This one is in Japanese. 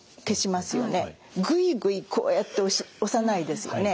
グイグイこうやって押さないですよね。